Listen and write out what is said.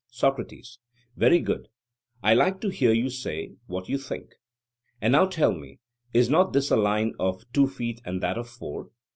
SOCRATES: Very good; I like to hear you say what you think. And now tell me, is not this a line of two feet and that of four?